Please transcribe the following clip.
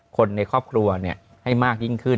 คนในครอบครัวให้มากยิ่งขึ้น